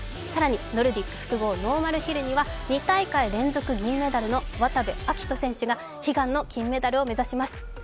更に、ノルディック複合ノーマルヒルには２大会連続銀メダルの渡部暁斗選手が悲願の金メダルを目指します。